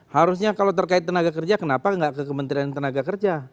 harusnya kalau terkait tenaga kerja kenapa nggak ke kementerian tenaga kerja